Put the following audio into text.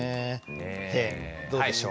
どうでしょう？